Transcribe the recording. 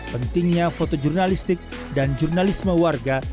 pentingnya foto jurnalistik dan jurnalisme warga